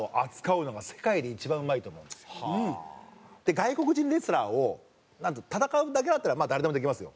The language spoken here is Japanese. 外国人レスラーを戦うだけだったらまあ誰でもできますよ。